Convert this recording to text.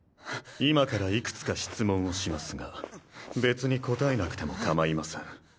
今からいくつか質問をしますが別に答えなくてもかまいません